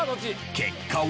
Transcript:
結果は？